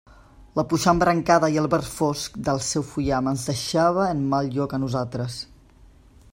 La puixant brancada i el verd fosc del seu fullam ens deixava en mal lloc a nosaltres.